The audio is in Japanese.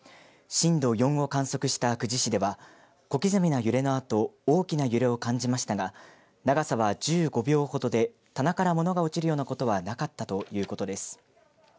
震度４を観測した久慈市では小刻みな揺れのあと大きな揺れを感じましたが長さは１５秒ほどで棚から物が落ちるようなことはなかったということです。